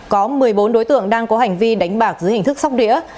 có một mươi bốn đối tượng đang có hành vi đánh bạc dưới hình thức sóc đĩa